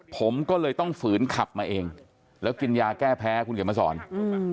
ผมก็เลยต้องฝืนขับมาเองแล้วกินยาแก้แพ้คุณเขียนมาสอนอืม